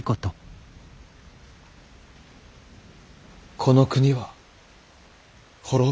この国は滅ぶ。